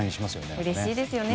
うれしいですよね。